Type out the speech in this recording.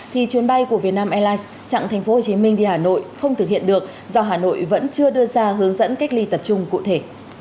thì chuyến bay của vietnam airlines chặn tp hcm đi hà nội không thực hiện được do hà nội vẫn chưa đưa ra hướng dẫn cách ly tập trung cụ thể